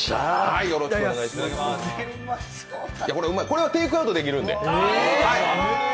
これはテイクアウトできるので。